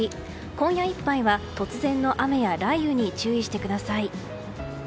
今夜いっぱいは突然の雨や雷雨に注意してください。